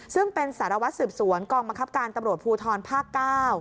ซึ่งเป็นสารวัตรศึกษวนกองมะคับการตำรวจภูทรภาค๙